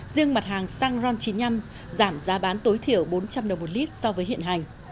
riêng mặt hàng xăng ron chín mươi năm giảm giá bán tối thiểu bốn trăm linh đồng một lít so với hiện hành